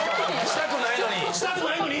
したくないのに。